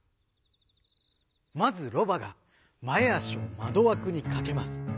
まずロバがまえあしをまどわくにかけます。